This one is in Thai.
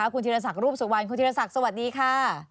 คุณธีรศักดิ์รูปสุวรรณคุณธีรศักดิ์สวัสดีค่ะ